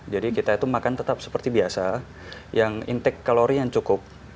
jadi kita itu makan tetap seperti biasa yang intake kalori yang cukup